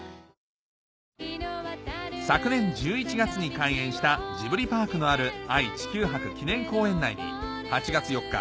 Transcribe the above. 昨年１１月に開園したジブリパークのある愛・地球博記念公園内に８月４日